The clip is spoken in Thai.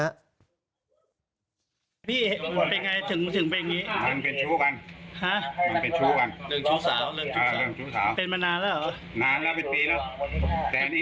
อ่ะเนี่ยผู้ก่อเหตุฯนะฮะเขาเหมือนเขาแค้นฝังใจเขาบอกว่าผู้ตายเนี่ยมามีเป็นชู้